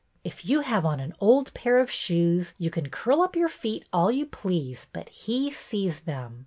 If you have on an old pair of shoes, you can curl up your feet all you please, but he sees them.